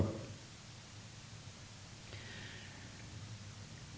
đồng ý là